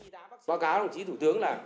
báo cáo đồng chí thủ tướng là